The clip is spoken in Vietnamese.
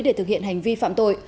để thực hiện hành vi phạm tội